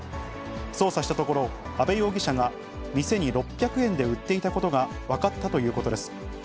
捜査したところ、安倍容疑者が店に６００円で売っていたことが分かったということです。